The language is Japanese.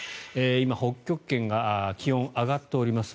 今、北極圏が気温、上がっております。